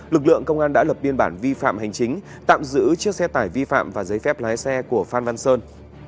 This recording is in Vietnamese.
lực lượng công an đã lập biên bản vi phạm hành chính tạm giữ chiếc xe tải vi phạm và giấy phép lái xe của phan văn sơn